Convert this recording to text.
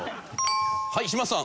はい嶋佐さん